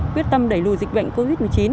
quyết tâm đẩy lùi dịch bệnh covid một mươi chín